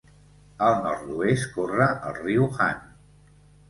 Al nord-oest corre el Riu Han.